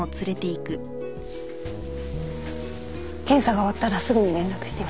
検査が終わったらすぐに連絡してね。